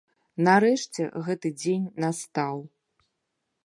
Нарэшце гэты дзень настаў.